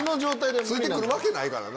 ついて来るわけないからな。